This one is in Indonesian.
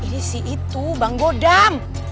ini si itu bang godam